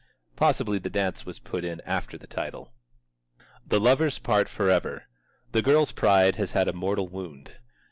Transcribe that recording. Possibly the dance was put in after the title. The lovers part forever. The girl's pride has had a mortal wound.